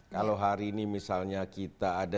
kalau hari ini misalnya kita ada di sebagian daerah kota